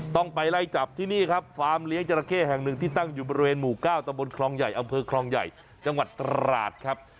ต้องไปไล่จับที่นี่ครับฟาร์มเลี้ยงจราเข้แห่งหนึ่งที่ตั้งอยู่บริเวณหมู่๙ตะบนคลองใหญ่อำเภอคลองใหญ่จังหวัดตราดครับ